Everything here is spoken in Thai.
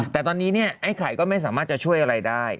แต่ตอนนี้เนี่ยไอ้ไข่ก็ไม่สามารถจะช่วยอะไรได้